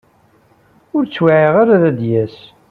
Ur t-wɛiɣ ara ad d-yas.